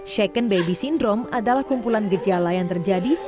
second baby syndrome adalah kumpulan gejala yang terjadi